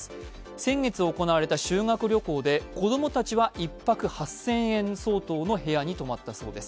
先月行われた修学旅行で子供たちは１泊８０００円相当の部屋に泊まったそうです。